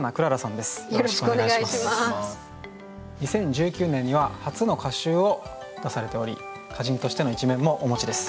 ２０１９年には初の歌集を出されており歌人としての一面もお持ちです。